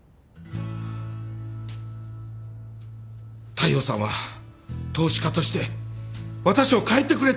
大陽さんは投資家として私を変えてくれた。